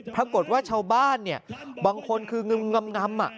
ปรากฏว่าชาวบ้านบางคนคืองึมงำ